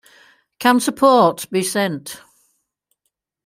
Can support be sent?